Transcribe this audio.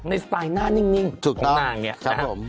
ในสไตล์หน้านิ่งตรงนางนี้